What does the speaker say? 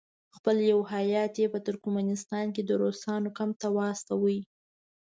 خپل یو هیات یې په ترکستان کې د روسانو کمپ ته واستاوه.